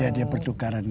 ya dia pertukaran